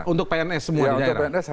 untuk pns semua di daerah